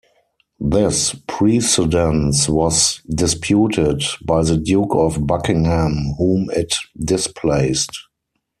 This precedence was disputed by the Duke of Buckingham, whom it displaced.